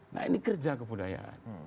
nah ini kerja kebudayaan